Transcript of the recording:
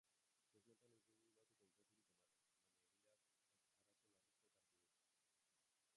Txostenak ez du datu konkreturik ematen, baina egileak arazo larritzat hartu du.